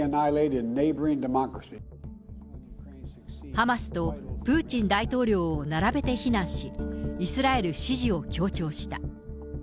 ハマスとプーチン大統領を並べて非難し、イスラエル支持を強調した。